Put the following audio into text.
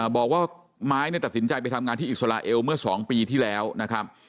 บอกว่าไม้ตัดสินใจไปทำงานที่อิสราเอลเมื่อ๒ปีที่แล้วนะครับ